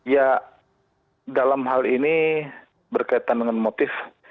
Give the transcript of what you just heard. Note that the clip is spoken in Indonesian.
ya dalam hal ini berkaitan dengan motif